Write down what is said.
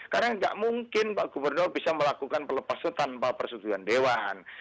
karena nggak mungkin pak gubernur bisa melakukan pelepasan tanpa persetujuan dewan